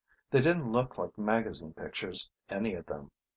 They didn't look like magazine pictures, any of them.